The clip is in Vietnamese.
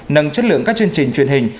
nâng chất lượng các chương trình truyền hình